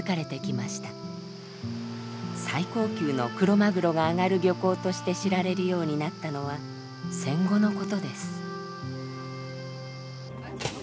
最高級のクロマグロが揚がる漁港として知られるようになったのは戦後のことです。